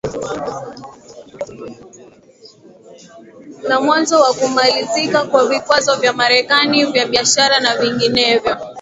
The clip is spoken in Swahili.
la mwanzo wa kumalizika kwa vikwazo vya Marekani vya biashara na vinginevyo